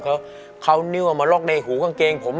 เขานิ้วมาล็อกในหูกางเกงผม